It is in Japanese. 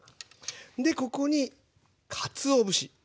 でここにかつお節。